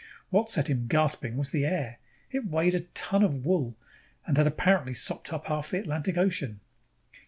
What set him gasping was the air. It weighed like a ton of wool and had apparently sopped up half the Atlantic Ocean.